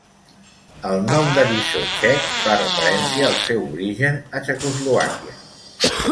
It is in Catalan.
El nom d'eriçó txec fa referència al seu origen a Txecoslovàquia.